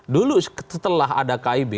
dulu setelah ada kib